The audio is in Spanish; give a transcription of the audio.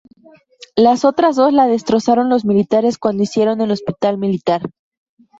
Las otras dos las destrozaron los militares cuando hicieron el Hospital Militar.